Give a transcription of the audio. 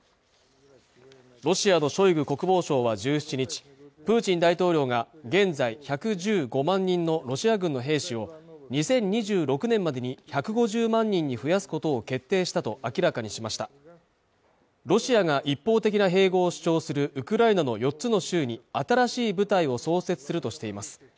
ロシアのショイグ国防相は１７日プーチン大統領が現在１１５万人のロシア軍の兵士を２０２６年までに１５０万人に増やすことを決定したと明らかにしましたロシアが一方的な併合を主張するウクライナの４つの州に新しい部隊を創設するとしています